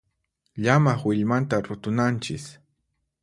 Llamaq willmanta rutunanchis.